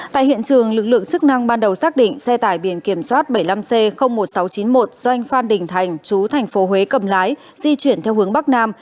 tại hiện trường lực lượng chức năng ban đầu xác định xe tải biển kiểm soát bảy mươi năm c một nghìn sáu trăm chín mươi một doanh phan đình thành chú thành phố huế cầm lái di chuyển theo hướng bắc nam